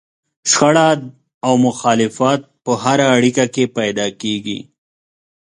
شخړه او مخالفت په هره اړيکه کې پيدا کېږي.